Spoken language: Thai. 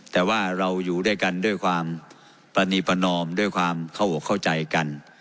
แต่ว่าเราอยู่ด้วยกันด้วยความปรณีประนอมด้วยความเข้าอกเข้าใจกัน